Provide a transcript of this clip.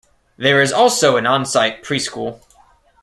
There is also an on-site pre-school.